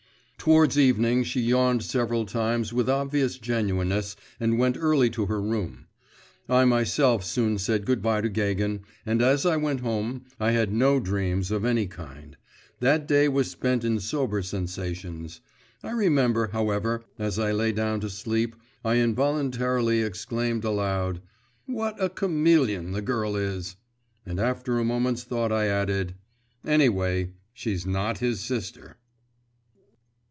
Towards evening she yawned several times with obvious genuineness, and went early to her room. I myself soon said good bye to Gagin, and as I went home, I had no dreams of any kind; that day was spent in sober sensations. I remember, however, as I lay down to sleep, I involuntarily exclaimed aloud 'What a chameleon the girl is!' and after a moment's thought I added; 'anyway, she's not his sister.